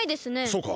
そうか。